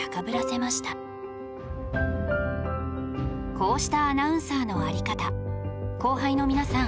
こうしたアナウンサーの在り方後輩の皆さん